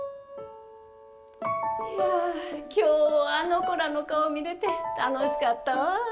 きょうあの子らの顔見れて楽しかったわ。